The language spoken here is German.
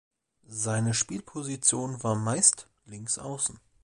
Seine Spielposition war meist Linksaußen.